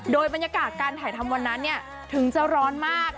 โดยบรรยากาศการถ่ายทำวันนั้นถึงจะร้อนมาก